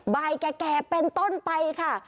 บ่ายแก่เป็นต้นไปค่ะ